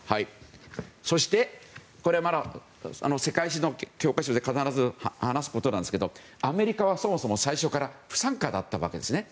そして、世界史の教科書で必ず話すことなんですけどアメリカは、そもそも最初から不参加だったわけですね。